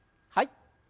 はい。